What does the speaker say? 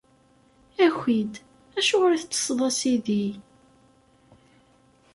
Aki-d! Acuɣer i teṭṭṣeḍ, a Sidi?